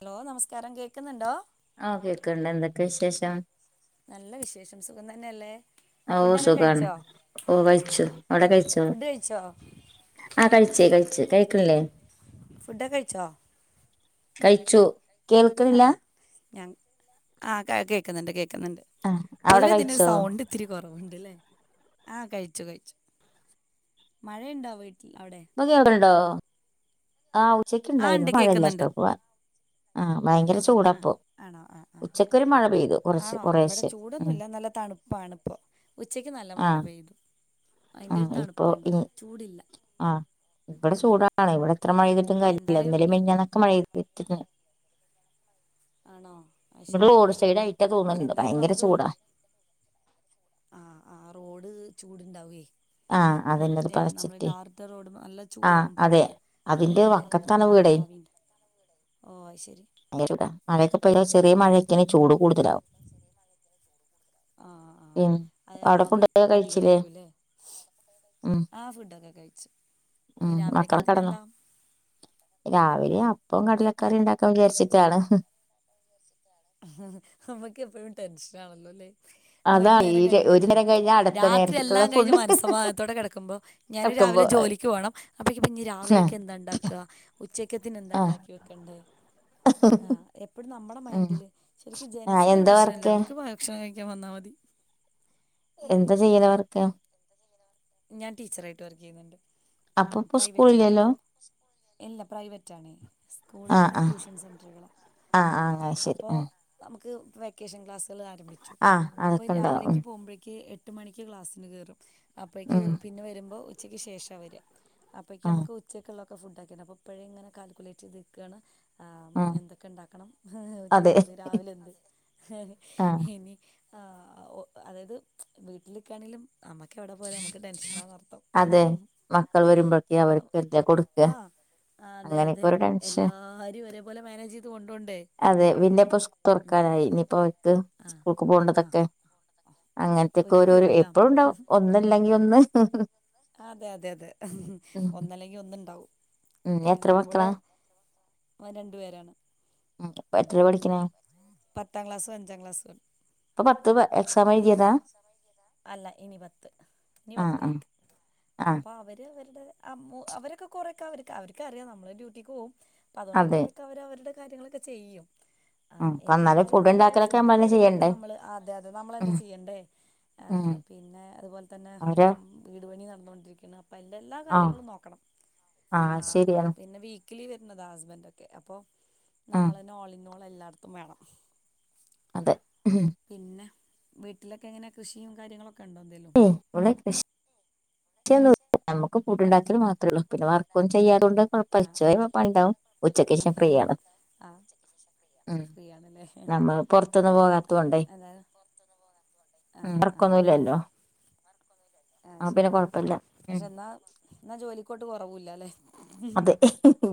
Hello നമസ്കാരം കേക്കുന്നുണ്ടോ? ആഹ കേക്ക്ണ്ട് എന്തൊക്കെയ വിശേഷം നല്ല വിശേഷം സുഖം തന്നെയല്ലേ? ഓ ഫുഡൊക്കെ സുഖാണ് കഴിച്ചോ ഓ കഴിച്ചു അവിടെ കഴിച്ചോ? ഫുഡ് കഴിച്ചോ ആ കഴിച്ചേ കഴിച്ചു കഴിക്കണില്ലേ ഫുഡക്കെ കഴിച്ചോ? കഴിച്ചു ആഹ് കേൾക്കണില്ല ആഹ് ഞാൻ ആ കേക്ക്ന്ന് ണ്ട് കേക്ക്ന്ന് ണ്ട് ആഹ് അവിടെ പൊതുവെ ദിന്നൊരു കഴിച്ചോ സൗണ്ട് ത്തിരി കുറവുണ്ടല്ലേ ആഹ് കഴിച്ചു കഴിച്ചു മഴയുണ്ടാ വീട്ടില് അവിടെ? [unintelligible] ആഹ് ആ ഉച്ചക്കുണ്ടായിരുന്നു ഉണ്ട് മഴയ കേൾക്കുന്നുണ്ട് ലാപ്ടോപ്പ് വാ ആഹ് ഭയങ്കര ആ ചൂടപ്പൊ ആണോ ആ ആ ഉച്ചക്കൊരു മഴ പെയ്തു കുറച്ച് കൊറെശെ ഉം പണ്പ്പൊ ഉച്ചക്ക് നല്ല മഴ ആഹ് പെയ്തു അതിൻ്റെ ആഹ് ഒരു ഇപ്പൊ തണുപ്പുണ്ട് ഇനി ചൂടില്ല ആഹ് ഇവിടെ ചൂടാണ് ഇവിടെ എത്ര മഴ എയ്തിട്ടും കാര്യല്ല എന്തായാലും ഇന്നലേം ഈ മെഞ്ഞന്നൊക്കെ മഴ [unintelligible] ആണോ അത് വട ശരി റോഡ് സൈഡായിട്ടാ തോന്ന്ണ്ട് എന്തായാലും ഭയങ്കര ചൂടാ ആഹ് ആഹ് റോഡ് ചൂട്ണ്ടാവേ ആഹ് അതന്നെ അത് മറ്റേ നമ്മള് പറച്ചിട്ടേ ഡാർട്ടെ റോഡ് നല്ല ആഹ് ചൂടാവും അതെ പകല് അയ് അതിന്റെ പിന്നയിന്റെ വക്കത്താണ് ആഹ് വീടെ അയിന്റാവിണ്ട് ഓഹ് അയ് ശെരി [unintelligible] മഴയൊക്കെ പെയ്ത ചെറിയ മഴൊക്കെണെ ചൂട് ഉം കൂടുതലാവും ആഹ് ആഹ് ഉം അയ് അവിടെ ആവി ഫുഡൊക്കെ കഴിച്ചില്ലേ അധികാരിക്കൂ ല്ലേ? ഉം ആ ഫുടൊക്കെകഴിച്ചു ഉം മക്കളെ കടന്നു രാവിലെ അപ്പോം ആ കടലക്കറി ഇണ്ടാ ക്ക വിചരിച്ചിട്ടാണ് ഉ നമ്മക്ക് എപ്പോഴും ടെൻഷനാണല്ലോ ല്ലേ? ഒരു അതാ ഈ നേരം ഒരു കഴിയുമ്പക്കേ നേരം കഴിഞ്ഞാ അടുത്ത രാത്രി നേരത്തേക്കുള്ള എല്ലാം കഴിഞ്ഞ് ഫുഡ് മനസമദാനത്തോടെ കെ ടക്കുമ്പോ ഞാനരു വെക്കുമ്പോ രാവിലെ ജോലിക്ക് പോണം അപ്പേക്കക്ക് പിന്ന ആഹ് രാവിലെയൊക്കെ എന്താ ഇണ്ടാക്ക ഉച്ചക്കത്തിന് എന്താ ഇ ആഹ് ണ്ടാക്ക ക്കണ്ടേ ആഹ് എപ്പഴും നമ്മടെ ഉം മൈൻഡില് ശെരിക്കും ആഹ് ജെൻസിന് ആ എന്താ പ്രശ്നല്ല വർക്ക് അവരി ക്ക് ഭ ഭക്ഷണം കഴിക്കാൻ വന്നാ മതി അല്ലേ എന്താ ചെയ്യല് വർക്ക്? ഞാൻ ടീച്ചറായിട്ട് വർക്ക് ചെയ്യുന്നുണ്ട് അപ്പൊപ്പൊ പ്രൈവറ്റിലാ ഉസ്കൂളിലല്ലോ? ഇല്ല പ്രൈവറ്റണേ സ്കൂൾ ആഹ് അല്ല ആഹ് ട്യൂഷൻ സെന്ററുകള് ആഹ് ആഹ് അങ്ങനെ ശെരി ഉം നമുക്ക് വെക്കേഷൻ ക്ലാസ്സുകള് ആരംഭിച്ചു ആഹ് അപ്പോ അതൊക്കെ ഉണ്ടാവും രാവിലേക്ക് പോകുമ്പഴേക്ക് എട് എട്ട് മണിക്ക് ക്ലാസ്സിന് കേറും അപ്പോയേ ക്ക് ഉം പിന്നെ വരുമ്പോ ഉച്ചയ്ക്ക് ശേഷ വരിഅ അപ്പോഴേക്ക് ഉം ആഹ് നമക്ക് ഉച്ചക്കുള്ളൊക്കെ ഫുഡ് ആക്കിണം അപ്പപ്പോഴേ ഇങ്ങനെ കാൽക്കുലേറ്റ് ചെയ്ത് നിക്കുവാണ് ആ ആഹ് എന്തൊക്കെ ഉണ്ടാക്കണം അതെ ഉച്ചക്കെന്ത് രാവിലെന്ത് ആഹ് ഇനി ആ അതായത് വീട്ടില് നിക്കാണെങ്കിലും അമ്മയ്ക്ക എവിടെ പോയാലും നമുക്ക് ടെൻഷനാ നർത്തം അതെ മക്കൾ വരുമ്പോഴേക്ക് കാരണം അവർക്കല്ലേ കൊടുക്ക ആ ആ അതെ അങ്ങനെയൊക്കെ അതെ ഒരു ടെൻഷൻ എല്ലാരും ഒരേപോലെ മാനേജ് ചെയ്ത് കൊണ്ടോണ്ടേ അതെ വിന്നെപ്പോ സ് - ഉം തുറക്കാനായി ഇനിയിപ്പോ ദ് ആഹ് സ്കൂൾക്ക് ആഹ് പോണ്ടതൊക്കെ ആഹ് ആഹ് അങ്ങനത്തൊക്കെ ഒരുക്കിയോ ഓരോരോ എല്ലാം എപ്പോഴും ഉണ്ടാവും ഒന്നില്ലെങ്കിൽ ഒന്ന് അതെ അതെ അതെ ഉം ഒന്നല്ലെങ്കിൽ ഒന്നുണ്ടാവും ഉം എത്ര എല്ലാം കൂടെ മക്കളാ ഓൻ രണ്ടു പേരാണ് ഉം ഇപ്പം എത്ര പഠിക്കുന്ന് പത്താം ക്ലാസ്സും അഞ്ചാം ക്ലാസ്സും ആണ് ഇപ്പൊ പത്ത് ത്ത് എക്സാമെയ്തിയതാ അല്ല ഇനി പത്ത് ആ ആ ഇനിപത്തിലേക്ക് ആ അപ്പൊ അവര് അവരുടെ അവരൊക്കെ കൊറേക്കെ അവർക്ക് അവർക്കറിയാം നമ്മള് ഡ്യൂട്ടിക്ക് പോവും അപ്പൊ അതുകൊണ്ട് അതെ കൊറെേക്കെ അവര് അവരുടെ കാര്യങ്ങളൊക്കെ ചെയ്യും ഉം അപ്പൊ എന്നാലും ഫുഡ് എന്നിരുന്നാലും ഉണ്ടാക്കലൊക്കെ ഫുഡും നമ്മളന്നെ കാര്യങ്ങളൊക്കെ ചെയ്യണ്ടേ നമ്മള് അതെ അതെ ഉം നമ്മളന്നെ ചെയ്യണ്ടേ ഉം ആഹ് പിന്നെ അതുപോലെ തന്നെ അവര് വീട്പണി നടന്നുകൊണ്ടിരിക്കാണ് അപ്പം അതിന്റെ എല്ലാ ആ കാര്യങ്ങളും നോ ക്കണം ആ ആഹ് ശരിയാണ് പിന്നെ വീ - ക്ക്ലി വരുന്നതാ ഹസ്ബൻ്റൊക്കെ അപ്പൊ ഉം നമ്മളന്നെ ഓളിനോള് എല്ലായിടത്തും വേണം അതെ പിന്നെ വീട്ടിലൊക്കെ എങ്ങനെ കൃഷിയും കാര്യങ്ങളൊക്കെ ഉണ്ടോ എന്തേലും ഏയ് ഇവിടെ കൃഷിക്കൊന്നുല്ല നമ്മക്ക് ഫുഡ്‌ ഉണ്ടാക്കൽ മാത്രേള്ളൂ പിന്നെ വർക്കൊന്നും ചെയ്യാത്തോണ്ട് ആ [unintelligible] ണ്ടാവും ആഹ് ഉം ഫ്രീ ആണല്ലേ ആഹ് നമ്മൾ പൊറത്തൊന്നും ആഹ് പോകാത്തോണ്ടേ ഏതാലും വർക്കൊന്നുല്ലല്ലോ ആഹ് ആ പിന്നെ ശരി കൊഴപ്പല്ല ഉം പക്ഷെ എന്നാ ജോലിക്കോട്ട് കുവൂല്ലല്ലേ അതെ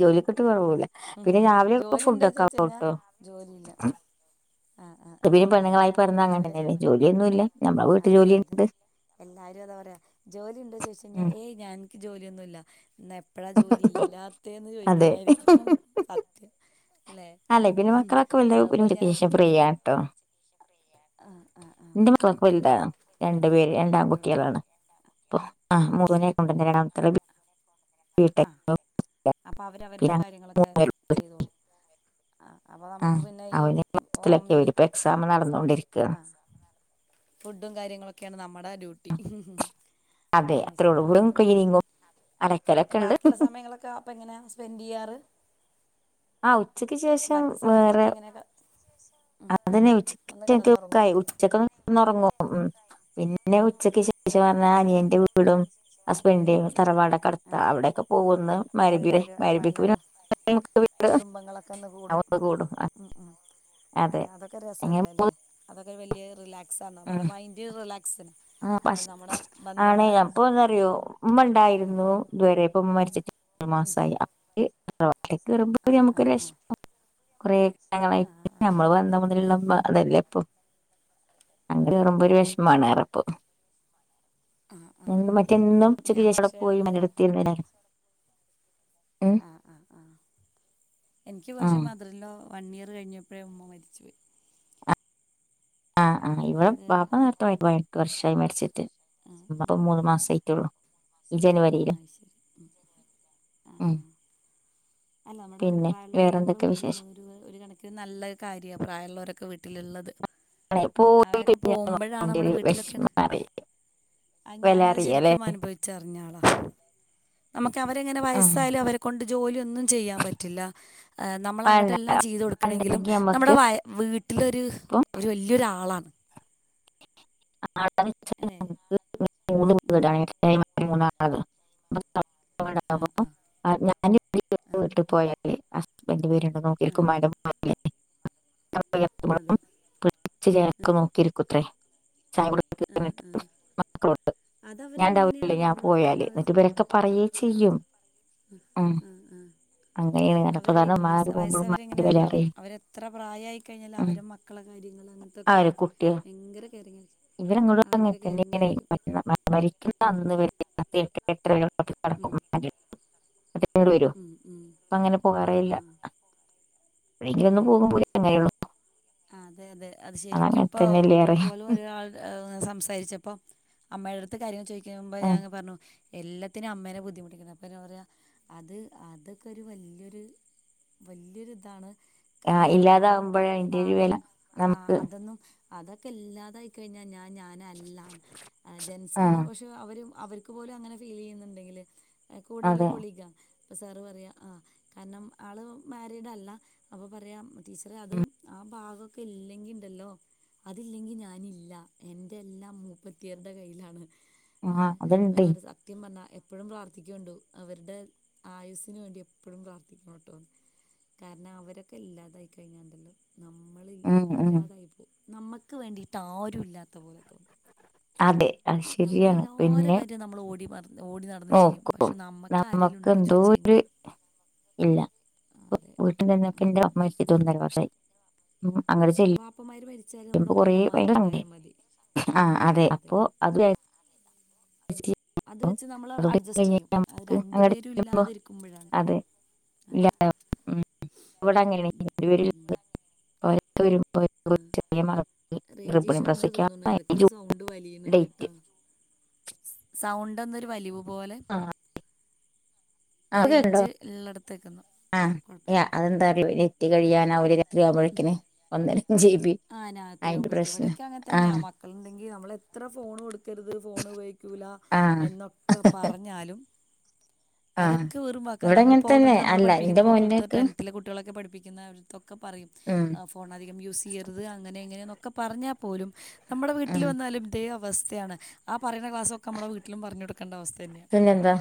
ജോലിക്കോട്ട് കുറവൂല പിന്നെ രാവിലെ ഒക്കെ ഫുഡ് ആക്കുട്ടോ ജോലില്ല പിന്നെ പെണ്ണുങ്ങളായി പിറന്ന രാവിലെ അങ്ങനന്നെ ജോലിയൊന്നും ഇല്ല അതെ അതെ എല്ലാരും അതാ പറയാ ജോലി ഉണ്ടോ ചോദിച്ച് കഴിഞ്ഞാൽ ഉം ഏയ് ഞാൻ ജോലിയൊന്നുല്ല എന്ന എപ്പഴാ ജോലി ഇല്ലാത്തെന്ന് അതെ ചോദിക്കുന്നായിരിക്കും സത്യം അല്ലേ പിന്നെ മക്കളൊക്കെ വലുതായ അതിപ്പോ ഞാൻ [unintelligible] ശേഷം ഫ്രീ ആട്ടോ ആഹ് ആഹ് ആഹ് മക്കളൊക്കെ വലുതാണ് രണ്ട് പേര് വല്യ രണ്ടാൺകുട്ടികളാണ് കുട്ടികളാല്ലേ അപ്പം ആഹ് അത് മോനെ ശരി കൊണ്ടു ന്നേരം അത്ര ആഹ് അപ്പൊ അവരവരുടെ പിന്നെ കാര്യങ്ങളൊക്കെ മൂന്നുപേരുള്ളൂ ചെയ്തോളും ആഹ് അപ്പൊ ആ നമുക്ക് പിന്നെ ഈ അവന് മാസത്തിലൊക്കെ ഓംലി വരും ഇപ്പൊ എക്സാം നടന്നുകൊണ്ടിരിക്കുകയാണ് ആഹ് [inaudible] ഫുഡും കാര്യങ്ങളൊക്കെയാണ് നമ്മുടെ ഡ്യൂട്ടി അതെ അത്രേ ഉള്ളൂ അത്ശരി ഇവിടും ക്ലീനിങ്ങും അലക്കലൊക്കെ ഉണ്ട് ബാക്കിയുള്ള സമയങ്ങളൊക്കെ അപ്പോ എങ്ങനെ സ്പെൻഡ് ചെയ്യാറ് ആഹ് ഉച്ചക്ക് ശേഷം ബാക്കി വേറെ സമയങ്ങളൊക്കെ എങ്ങനെയൊക്കെ അതന്നെ ഒന്ന് ഉച്ചക്ക് ഒക്കെ കിടന്നുറങ്ങും ആയി ഉച്ചക്കൊന്ന് ഉറങ്ങും ഉം പിന്നെ ഉച്ചക്ക് ശേ - ച് പറഞ്ഞ ആഹ് ആഹ് അനിയന്റെ വീടും ഹസ്ബെൻ്റ്ൻ്റെ തറവാടൊക്കെ അടുത്ത അവിടെയൊക്കെ പോകൊന്നു മഗ്രിബിടെ എല്ലാവരും അപ്പം മഗ്രിബിക്ക് പിന്നെ എല്ലാവരും [unintelligible] കുടുംബങ്ങളൊക്കെ ഒന്ന് കൂടും ആ ഉം അല്ല അതൊക്കെ രസല്ലേ അല്ലേ പോകും അതൊക്കെ വലിയ റിലാക്സാണ് നമ്മുടെ മൈൻഡ് ദി റിലാക്സ് ആഹ് പക്ഷെ ആണ് അപ്പൊന്നറിയോ ഉമ്മ ഉണ്ടായിരുന്നു ഇതുവരെ ഇപ്പം ഉമ്മ മരിച്ചിട്ട് ഒരുമാസമായി [unintelligible] ആ ആ നമുക്ക് ആ വെഷമം കുറെ അങ്ങനെ ആ അതെ നമ്മള് അതെ വന്ന ആ മുതലുള്ള ഉമ്മ അതല്ലേ ഇപ്പൊ ആ അങ്ങട് കേറുമ്പോ അതെ ഒരു അതെ വിഷമാണ്റയുപ്പോ ആഹ് ആഹ് ആഹ് ഞാൻ ശേഷം അവിടെ പക്ഷെ അത് [unintelligible] ഉം ആഹ്, ആഹ്, ആഹ് എനിയ്ക്ക് പക്ഷെ ആഹ് മദറിൻല്ലോ വൺ ഇയർ കഴിഞ്ഞപ്പോഴേ ഉമ്മ മരിച്ചു പോയി. ആഹ്, ആഹ് ഇവടെ അത് ബാപ്പ നേർത്തമായി പയിനെട്ട് വർഷായി മരിച്ചിട്ട്. മ്മ പ്പം മൂന്ന് മാസായി ട്ടൊള്ളു. ആയ് ശരി. ഉം ആഹ്, ഉം ആഹ് അല്ല നമ്മടെ പിന്നെ പ്രായുള്ളവരൊക്കെ നമ്മടെ വേറെന്തൊക്കെ വീട്ടിൽ വിശേഷം ള്ളത് ഒരു ഒരു കണക്കിന് നല്ല കാര്യാ പ്രായള്ളോരൊക്കെ വീട്ടില്ള്ളത്. ആണ്, പോയി അവരൊക്കെ കഴിഞ്ഞാൽ പോവുമ്പഴാണ് നമുക്കുണ്ട് നമ്മടെ ഒരു വീട്ടിലൊക്കെണ് വിഷമം അറിയ അയ് വില ഞാനത് അറിയാലേ ശരിക്ക് മനുഭവി ച്ചറിഞ്ഞാളാ, നമുക്ക് അവരെങ്ങനെ ഉം വയസ്സായാലും അവരെ കൊണ്ട് ജോലി ഒന്നും ചെയ്യാൻ പറ്റില്ല, ഏഹ് നമ്മളങ്ങട്ട് പണ്ട- എല്ലാം ചെയ്ത് കൊട്ക്കണെങ്കിലും പണ്ടെങ്കി നമ്മടെ നമ്മക്ക് വാ ആയ വീട്ടിലൊര് ഇപ്പൊ ഒര് വല്ല്യൊരാളാണ്. ആ അല്ലേ [unintelligible] മൂന്ന് വീടാണ് [unintelligible] മൂന്ന ആള ആഹ്, ആഹ് ആഹ്, ഞാന് [unintelligible] പോയാല് ഹസ്ബൻഡ് വര്ണ്ടോ ആ നോക്കിരിക്കും [unintelligible] [unintelligible] അതെ പിടിച്ച് ചേർക്ക് നോക്കിരിക്കുത്രേ ചായ [unintelligible] ആഹ്, ആഹ് മക്കളോട് ഞാൻ ണ്ടാവൂലല്ലേ ഞാൻ നമ്മളൊക്കെ പോയാല് നിർ ന്നെട്ട് ഇവരൊക്കെ പറയേ ചെയ്യും. ഉം, ആഹ്, ആഹ് അങ്ങനിറയാ അവര് വയസ വയസ്സവരെങ്ങനെ അറിയോ അവരെത്ര പ്രായായിക്കഴിഞ്ഞാല് ഉം. അവരെ മക്കളെ കാര്യങ്ങളങ്ങൻത്തൊക്കെ ഭയങ്കര കെയറിങ്ങായിരിക്കും. ഇവരങ്ങോടു അങ്ങന തന്നെനെ. [unintelligible] മരിക്കുന്ന ഉം, അന്ന് വരെ രാത്രി എട്ട് എട്ടര വരെ [unintelligible] [unintelligible] അടക്കും ഉം. [unintelligible] ന്നട്ട് [unintelligible] വരോ ഉം, ഉം പ്പൊ അങ്ങനെ ആഹ് പോകാറേയില്ല. ആഹ് എപ്പഴേ ങ്കിലൊന്ന് പോകും പൂത്യ [unintelligible] അങ്ങനെയുള്ളൂ. ആഹ്, അതെ യതെ അത് ശെരിക്കും അങ്ങനെ പ്പൊ തന്നെയല്ലേ അറിയാം ന്ന്പോലും ഒരാൾ ഏഹ്, സംസാരിച്ചപ്പൊ അമ്മടെട്ത്ത് കാര്യങ്ങൾ ചോയ്ക്കേനെ മുമ്പേ ഞാ ങ്ങെ പർഞ്ഞു എല്ലത്തിനും അമ്മേനെ ബുദ്ധിമുട്ടിക്ക്ണ്. അപ്പ എന്നോ പറയാ അത് അതൊക്കൊര് വല്ല്യൊര് വല്ല്യൊര്താണ്. ആഹ് ഇല്ല്യാകുമ്പഴേ അയ്ന്റെരു വെല നമുക്ക് ന്നും അതൊക്കെ ഇല്ലാതായിക്കഴിഞ്ഞാ ഞാൻ ഞാനല്ലാന്ന്. ആഹ് ആ ജെൻസാണ് പക്ഷെ ര് അവര് അവർക്ക് പോലും അങ്ങനെ ഫീ ലെയ്യ്ന്ന്ണ്ടെങ്കില് ഏഹ് കൂടെയുള്ള അതെ കോളീഗാ പ്പൊ സാറ് പറയാ ആഹ് കാരണം ആള് മാരിഡല്ല അപ്പൊ പറയാ ടീച്ചറെ അത് ആ ഭാഗൊക്കെ ഇല്ലെങ്കിണ്ടല്ലോ അതില്ലെങ്കി ഞാനില്ല. എന്റെ എല്ലാം മൂപ്പത്തിയാര്ടെ കയ്യിലാണ് ആ ഏഹ്, അപ്പൊ ഞാൻ അതുണ്ട് പർഞ്ഞു സ ത്യം പറഞ്ഞാ എപ്പഴും പ്രാർത്ഥിക്ക്യൊണ്ടു അവര്ടെ ആയുസിന് വേണ്ടി എപ്പഴും പ്രാർത്ഥിക്കണംട്ടോന്ന്. കാരണം അവരൊക്കെ ഇല്ലാതായി കഴിഞ്ഞാണ്ടല്ലോ നമ്മള് ഇൽ ഉം ഉം ഇല്ലാതായിപ്പോകും. നമ്മക്ക് വേണ്ടിയിട്ടാരും ഇല്ലാത്ത പോലെ തോന്നും. അതെ, അത് ശെരിയാണ്. പിന്നെ നമ്മളോടി മർ ഓക്കും നമ്മക്ക് ഉണ്ടോ ചോദിച്ചു എന്തോര് കഴിഞ്ഞാൽ ഇല്ല വ് അതെ വീട്ടി തന്നൊക്കെ അതെ ന്റെ അമ്മ അതെ മരിച്ചിട്ട് ഒന്നര വർഷായി. ഉം അങ്ങട് ചെല്ലു വാപ്പമാര് മരിച്ചാല് രുമ്പൊ നമ്മുടെ കൊറേ ഭയങ്കര സങ്കടേ ഉമ്മമാരുണ്ടായാൽ മതി [unintelligible] ആഹ്, അതെ അപ്പൊ അത് വേ അത് വെച്ച് നമ്മള് അതുകൂടി അഡ്ജസ്റ്റ് കഴിഞ്ഞ് ചെയ്യും. അത് നമുക്ക് രണ്ടു അങ്ങോട്ട് പേരും ചെല്ലുമ്പോ ഇല്ലാതെ ഇരിക്കുമ്പഴാണ് അതെ അതെ ഇവടെങ്ങനെയ ഉം ഉം [unintelligible] വരുമ്പോ [unintelligible] ചെറിയ മറുപടി ആഹ് റേഞ്ച് ഗർഭിണി ഇഷു ഉണ്ട് തോന്നണ് പ്രസവിക്കാറായ എടക്ക് ഒരു ജൂൺ സൗണ്ട് വലിയ്ണ്ണ്ട് ഡേറ്റ് ട്ടോ സൗണ്ട് എന്തൊരു വലിവ് പോലെ ആഹ് ആഹ് ഇപ്പൊ കേക്ക്ണ്ടോ റേഞ്ച് ഉള്ളിടത്തേക്കൊന്ന് ആ ആഹ് കുഴപ്പമില്ല അതെന്താറ [unintelligible] കത്തി കഴിയാൻ അ [unintelligible] ഒന്നര ജി ബി ആഹ് അയിന്റെ രാത്രിയാവുമ്പഴേക്ക് പ്രശ്നം ഇവടെക്കെ അങ്ങൻ തന്നെയാ ആഹ് മക്കളുണ്ടെങ്കിൽ നമ്മള എത്ര ഫോണ് കൊടുക്കരുത് ഫോൺ ഉപയോഗിക്കൂല ആഹ് എന്നൊക്കെ പറഞ്ഞാലും ആഹ് അതൊക്കെ വെറും വാക്ക ഇവിടെ അങ്ങനെ നമ്മളിപ്പോ തന്നെ ഓൾറെഡി നമ്മള് അല്ല പഠിപ്പിക്കുന്ന എന്റെ കുട്ടികളട്ത്ത് മോന്റെക്കെ ടെൻത്തിലെ കുട്ടികളൊക്കെ പഠിപ്പിക്കുന്ന തൊക്കെ പറയും ഉം ഫോൺ അധികം യൂസ് ചെയ്യരുത് അങ്ങനെ ഇങ്ങനെന്നൊക്കെ പറഞ്ഞാ പോലും നമ്മുടെ വീട്ടിൽ ഉം വന്നാലും ഇതേ അവസ്ഥയാണ് ആ പറയുന്ന ക്ലാസ്സൊക്കെ നമ്മളെ വീട്ടിലും പറഞ്ഞു കൊടുക്കണ്ട അവസ്ഥന്നേണ് അയന് എന്താ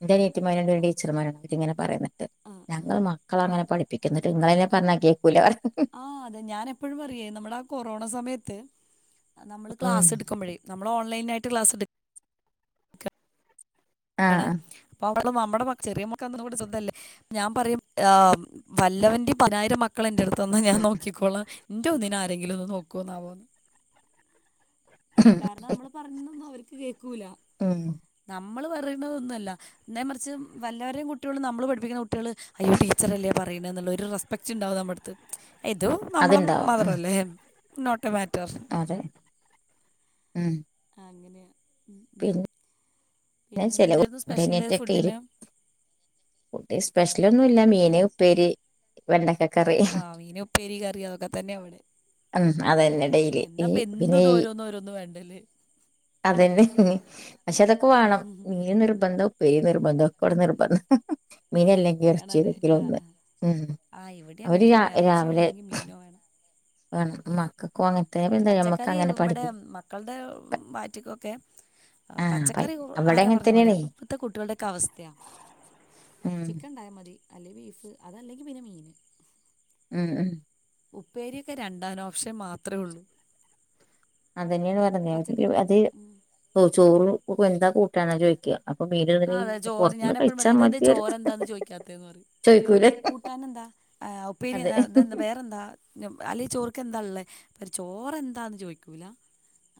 എന്റെ അനിയത്തിമാര്ണ്ട് ഓര് ടീച്ചർമാരാണ് അവരിങ്ങനെ പറയുന്നത് ആ ആ ഞങ്ങൾ ക്കള ആ അങ്ങനെ പഠിപ്പിക്കുന്നട്ട് നിങ്ങളന്നെ പർഞ്ഞാ കേക്കൂല അറിം ആഹ് അതെ ഞാൻ എപ്പഴും പറയേ നമ്മുടെ ആ കൊറോണ സമയത്ത് നമ്മള് ഉം ക്ലാസ്സ് എടുക്കുമ്പഴേ നമ്മള് ഓൺലൈനായി ക്ലാസ്ട് ക്കാണ് ആഹ് അപ്പൊ [unintelligible] നമ്മുടെ ചെറിയ മക്കന്നും കൂടി ശുദ്ല്ലേ ഞാൻ പറയും ആഹ് വല്ലവന്റെയും പതിനായിരം മക്കൾ എന്റെ അടുത്ത് തന്ന ഞാൻ നോക്കിക്കോളാം എൻ്റെ ഒന്നിനെ ആരെങ്കിലും ഒന്ന് നോക്കോന്നാവോന്ന് കാരണം നമ്മള് പറയുന്നൊന്നും അവർക്ക് കേക്കൂല ഉം നമ്മള് പറയ്ണതൊന്നല്ല ന്നേ മറിച്ച് വല്ലവരെയും കുട്ടികളും നമ്മള് പഠിപ്പിക്കുന്ന കുട്ടികള് അയ്യോ ടീച്ചർ അല്ലേ പറയുന്ന എന്ന്ള്ളരു റെസ് പക്ച്ച് ഉണ്ടാവും നമ്മുടെ അടുത്ത് ഇത് നമ്മളെ അതുണ്ടാവും മതറ ഉം അല്ലേ നോട്ട് എ മാറ്റർ അതെ ഉം ആഹ് അങ്ങനെയ ഉം പിന്നെ പിന്നെ ചില എന്തായിരുന്നു എന്റെ സ്പെഷ്യല് ഫുഡിന് കുട്ടി സ്പെഷ്യല് ഒന്നുല്ല ഇന്ന് മീന് ഉപ്പേരി വെണ്ടക്കക്കറി ആഹ് മീന് ഉപ്പേരി കറി അതൊക്കെ തന്നെ ഇവടിം ഉം അതന്നെ ഡെയിലി ഈ എന്നപ്പ പിന്നെ എന്ന് ഈ ദോരോന്ന് ഓരോന്ന് വേണ്ട ലേ അതന്നെ പക്ഷെ അതൊക്കെ വാണം നി നിർബന്ധം ഉപ്പേരി നിർബന്ധം [unintelligible] നിർബന്ധം മീനെല്ലങ്കി എർച്ചി വേണല്ലേ ഏതെങ്കിലും ആഹ് ഒന്ന് ആഹ് ഉം ആഹ് ഇവിടി അങ്ങൻ അവര് രാ തന്നെ എർച്ചിയോ രാവിലെ അല്ലെങ്കിൽ മീനോ വേണം വേണം മക്കൾക്കും ഉം അങ്ങനത്തെ എന്താ നമ്മക്ക് പച്ചക്കറി അങ്ങനെ ഇവടെ പഠിക്കും മക്കളുടെ വയറ്റ്ക്കൊക്കെ ആഹ് പ പച്ചക്കറി അവിടെ ആരാ അങ്ങനെ പർഞ്ഞ പോലെ തന്നെയാണേ ഇപ്പത്തെ കുട്ടികളുടെ ഒക്കെ അവസ്ഥയാ ഉം ചിക്കൻ ഇണ്ടായാ മതി അല്ലെങ്കിൽ ബീഫ് അതല്ലെങ്കിൽ പിന്നെ മീന് ഉം ഉം ഉപ്പേരിയൊക്കെ രണ്ടാൻ ഓപ്ഷൻ മാത്രേ ഉള്ളൂ അതന്നെയാണ് പച്ചക്കറി പർഞ്ഞത് അത് ഉം ചോറ് എന്താ കൂട്ടാന് ചോദിക്ക അതെ ചോറ് ഞാന എപ്പളും പറയും ഇത് എന്താ മതിയായിരുന്നു ചോറെന്താന്ന് ചോയിക്കാത്തന്ന് പറയും ചോദിക്കൂലേ കൂട്ടാൻ എന്താ ആ ഉപ്പേരി അതെ തന്താ വേറെ എന്താ അല്ലെ ചോർക്ക്ക്കെന്താ ഉള്ളേ ചോറെ എന്താന്ന് ചോയ്ക്കൂല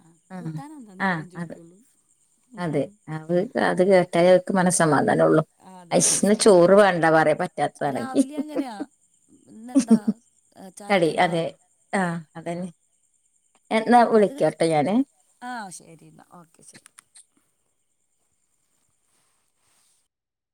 ആഹ് ആ കൂട്ടാന് എന്തന്നേ ആദ്യം ചോയിക്കൊള്ളൂ അവ അത് കേട്ടാലെ അവർക്ക് മനസ്സമാധാനം ഉള്ളു ആ അതെ അയ്‌ശ് ന്ന് ചോറ് മനസ്സമാധാനമുണ്ട് വേണ്ട പറയു പറ്റാത്താണെങ്കി ഇന്ന് എന്താ ചായക്കന്താ. അതെ ആ അതന്നെ എന്നാൽ വിളിക്കാംട്ടോ ഞാന് ആഹ് ശരി എന്നാ ഓക്കെ ശെരി